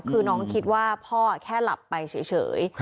คือน้องคิดว่าพ่อแค่หลับไปเฉย